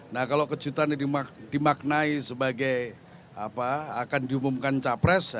nah kalau kejutan ini dimaknai sebagai akan diumumkan capres